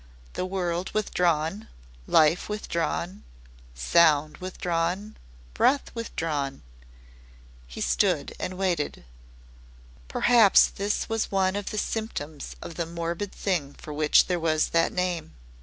The world withdrawn life withdrawn sound withdrawn breath withdrawn. He stood and waited. Perhaps this was one of the symptoms of the morbid thing for which there was that name.